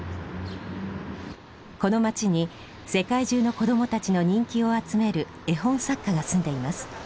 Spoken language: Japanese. この町に世界中の子どもたちの人気を集める絵本作家が住んでいます。